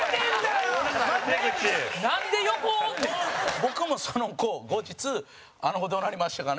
僕もその子を、後日あの子、どうなりましたかね？